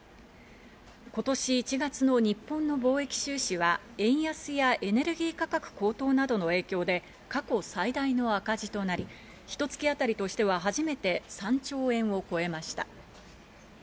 今年１月の日本の貿易収支は、円安やエネルギー価格高騰などの影響で過去最大の赤字となり、ひと月当たりとしては初めて３兆円を超えました。